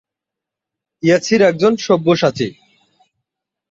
এখনও উল্লেখ্য সংখ্যক লোক আর্সেনিকের ঝুঁকির মধ্যে বসবাস করছে।